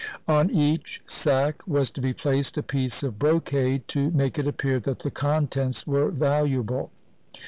On each sack was to be placed a piece of brocade to make it appear that the contents were valuable.